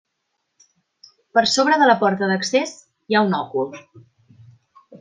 Per sobre de la porta d'accés, hi ha un òcul.